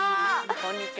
こんにちは。